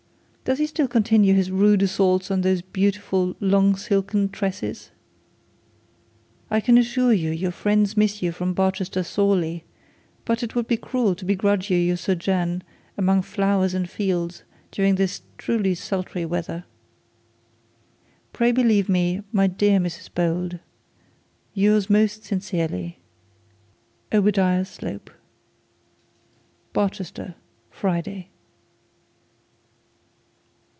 Does he still continue his rude assaults on those beautiful long silken tresses? 'I can assure your friends miss you from Barchester sorely; but it would be cruel to begrudge you your sojourn among flowers and fields during this truly sultry weather. 'Pray believe me, my dear Mrs Bold Yours most sincerely, 'OBADIAH SLOPE. 'Barchester, Friday.'